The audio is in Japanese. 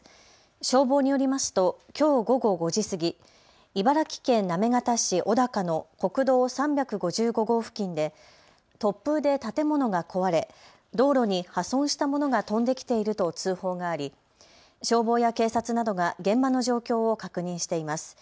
消防によりますときょう午後５時過ぎ、茨城県行方市小高の国道３５５号付近で突風で建物が壊れ道路に破損したものが飛んできていると通報があり、消防や警察などが現場の状況を確認しています。